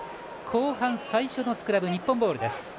後半最初のスクラム日本ボールです。